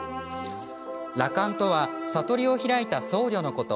羅漢とは悟りを開いた僧侶のこと。